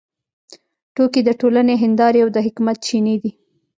ټوکې د ټولنې هندارې او د حکمت چینې دي.